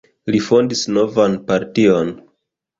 Li fondis novan partion.